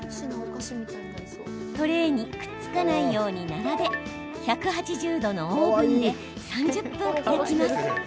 トレーにくっつかないように並べ１８０度のオーブンで３０分焼きます。